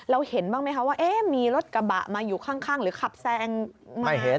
เห็นบ้างไหมคะว่ามีรถกระบะมาอยู่ข้างหรือขับแซงมา